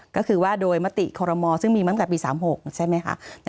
ก็คือว่าโดยมติคอรมอซึ่งมีตั้งแต่ปี๓๖ใช่ไหมคะ